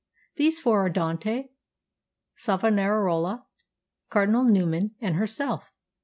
These four are Dante, Savonarola, Cardinal Newman, and herself....